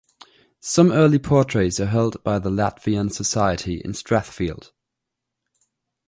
Some early portraits are held by the Latvian Society in Strathfield.